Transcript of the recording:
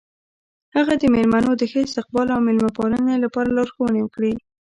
هغه د میلمنو د ښه استقبال او میلمه پالنې لپاره لارښوونې وکړې.